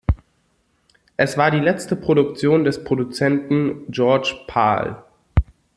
Es war die letzte Produktion des Produzenten George Pal.